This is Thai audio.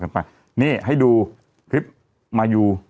ไปนี่ให้ดูคลิปมายู